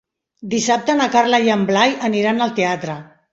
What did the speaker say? Dissabte na Carla i en Blai aniran al teatre.